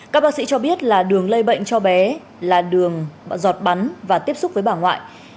các bác sĩ cho biết là đường lây bệnh cho bé là đường giọt bắn và tiếp xúc với bà ngoại